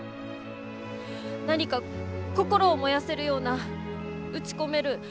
何か心を燃やせるような打ち込める